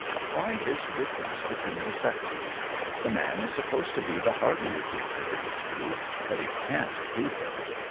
Why this difference between the sexes? The man is supposed to be the hardier creature of the two, but he can't prove it.